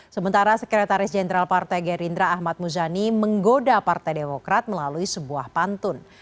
sementara sekretaris jenderal partai gerindra ahmad muzani menggoda partai demokrat melalui sebuah pantun